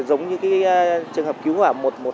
giống như cái trường hợp cứu hỏa